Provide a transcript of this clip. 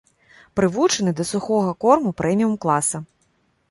Прывучаны да сухога корму прэміум-класа.